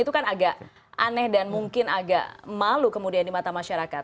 itu kan agak aneh dan mungkin agak malu kemudian di mata masyarakat